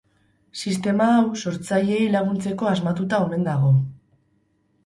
Sistema hau sortzaileei laguntzeko asmatuta omen dago.